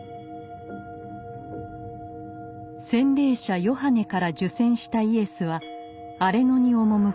洗礼者ヨハネから受洗したイエスは荒れ野に赴きます。